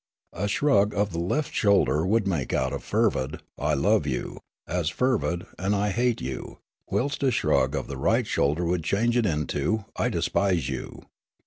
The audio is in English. A shrug of the left shoulder would make out of a fervid '' I love you " as fervid an " I hate you "; whilst a shrug of the right shoulder would change it into " I despise you."